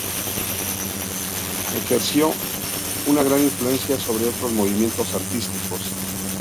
Ejerció, una gran influencia sobre otros movimientos artísticos.